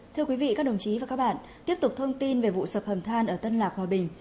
thưa quý vị các đồng chí và các bạn tiếp tục thông tin về vụ sập hầm than ở tân lạc hòa bình